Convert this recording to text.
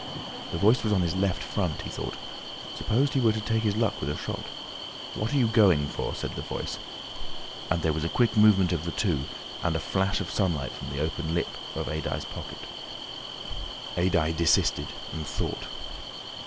The Voice was on his left front, he thought. Suppose he were to take his luck with a shot? "What are you going for?" said the Voice, and there was a quick movement of the two, and a flash of sunlight from the open lip of Adye's pocket. Adye desisted and thought.